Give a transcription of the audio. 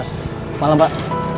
selamat malam pak